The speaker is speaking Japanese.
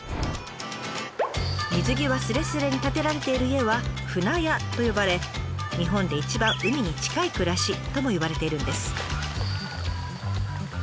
水際すれすれに建てられている家は「舟屋」と呼ばれ「日本で一番海に近い暮らし」とも言われているんです。